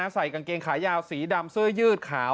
ใส่กางเกงขายาวสีดำเสื้อยืดขาว